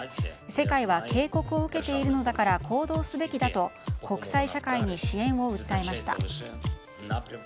世界は警告を受けているのだから行動すべきだと国際社会に支援を訴えました。